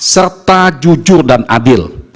serta jujur dan adil